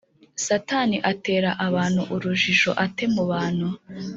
Satani atera abantu urujijo ate mubantu